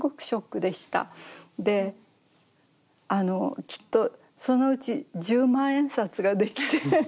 であのきっとそのうち十万円札ができて。